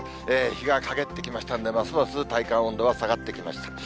日が陰ってきましたんで、ますます体感温度は下がってきました。